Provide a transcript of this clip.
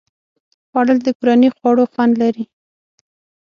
خوړل د کورني خواړو خوند لري